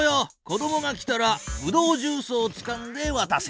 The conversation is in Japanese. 子どもが来たらブドウジュースをつかんでわたせ。